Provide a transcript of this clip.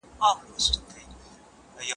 تاسي باید هره ورځ خپلو هیلو ته نوی رنګ ورکړئ.